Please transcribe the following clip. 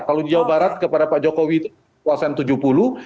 kalau di jawa barat kepada pak jokowi itu kekuasaan tujuh puluh